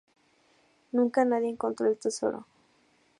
Nunca nadie encontró el tesoro.